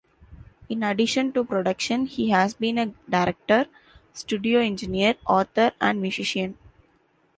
In addition to production, he has been a director, studio engineer, author and musician.